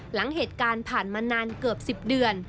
หลังเหตุการณ์ผ่านมานานเกือบ๑๐เดือน